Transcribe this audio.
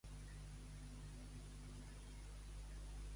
Poar-s'ho sobre el cap.